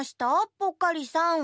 ぽっかりさん。